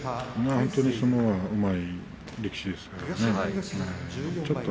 本当に相撲がうまい力士です、遠藤は。